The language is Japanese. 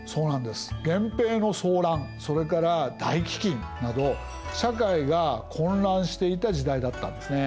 源平の争乱それから大飢饉など社会が混乱していた時代だったんですね。